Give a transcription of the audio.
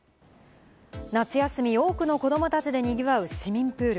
夏休み、多くの子どもたちで賑わう市民プール。